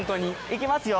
いきますよ。